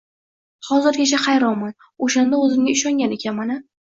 Hozirgacha hayronman, o’shanda o’zimga ishongan ekanman-a?